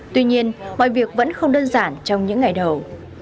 tuy nhiên mọi việc vẫn không đơn giản trong những ngày đầu